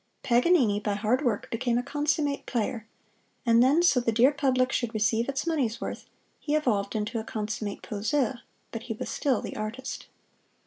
Paganini by hard work became a consummate player; and then so the dear public should receive its money's worth, he evolved into a consummate poseur but he was still the Artist.